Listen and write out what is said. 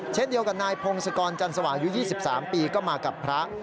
เช่นเดียวกับนายพงศกรจันสวายุ๒๓ปีก็มากับพระ